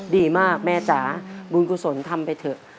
ดีมากแม่จ๋าบุญกุศลทำไปเถอะ